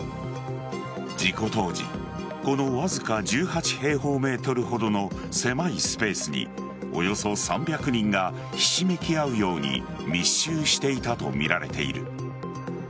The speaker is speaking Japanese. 事故当時このわずか１８平方ｍほどの狭いスペースにおよそ３００人がひしめき合うように密集していたとみられている。